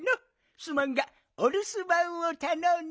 すまんがおるすばんをたのんだぞ。